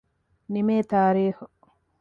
ނިމޭ ތާރީޚު